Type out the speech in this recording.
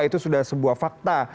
itu sudah sebuah fakta